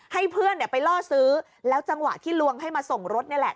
ให้เพื่อนไปล่อซื้อแล้วจังหวะที่ลวงให้มาส่งรถนี่แหละ